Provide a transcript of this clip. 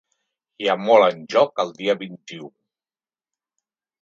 Hi ha molt en joc el dia vint-i-u.